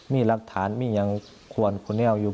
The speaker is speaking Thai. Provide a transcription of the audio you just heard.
มีลักฐานมีอย่างขวัญพอแกน้อยพ่อยังอยู่